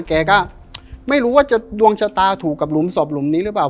แกก็ไม่รู้ว่าจะดวงชะตาถูกกับหลุมศพหลุมนี้หรือเปล่า